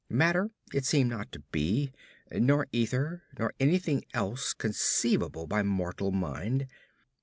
Matter it seemed not to be, nor ether, nor anything else conceivable by mortal mind.